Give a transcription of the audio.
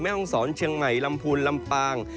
ห้องศรเชียงใหม่ลำพูนลำปาง